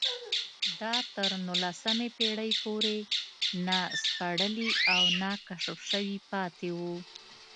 دا تر نولسمې پېړۍ پورې ناسپړلي او ناکشف شوي پاتې وو